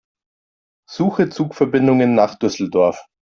Suche Zugverbindungen nach Düsseldorf.